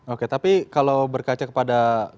oke tapi kalau berkaca kepada